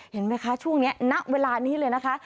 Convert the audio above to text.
เห็นไหมคะช่วงนี้ณเวลานี้เลยนะคะ